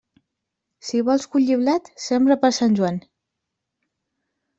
Si vols collir blat, sembra per Sant Joan.